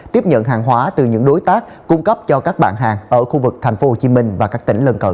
tiếp nhận hàng hóa từ những đối tác cung cấp cho các bạn hàng ở khu vực tp hcm và các tỉnh lân cận